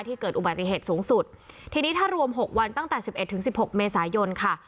เกิดอุบัติเหตุสูงสุดทีนี้ถ้ารวมหกวันตั้งแต่สิบเอ็ดถึงสิบหกเมษายนค่ะ